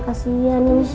kasian ya siat